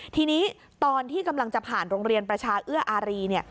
ทีนี้ตอนที่กำลังจะผ่านโรงเรียนประชาเอื้ออารี